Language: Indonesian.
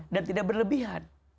dan tidak berlebihan